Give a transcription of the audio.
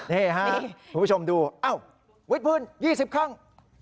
นี่ฮะผู้ชมดูอ้าววิทย์พื้น๒๐ครั้ง